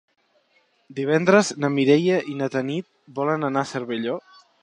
Divendres na Mireia i na Tanit volen anar a Cervelló.